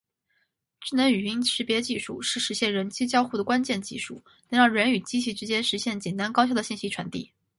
智能语音识别技术是实现人机交互的关键技术，能让人与机器之间实现简单高效的信息传递。